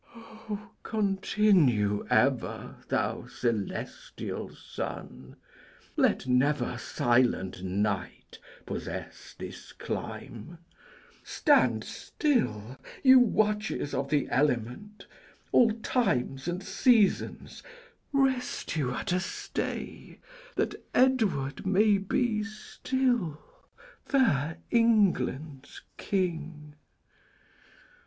Continue ever, thou celestial sun; Let never silent night possess this clime; Stand still, you watches of the element; All times and seasons, rest you at a stay, That Edward may be still fair England's king!